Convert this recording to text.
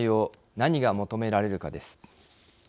何が求められるかです。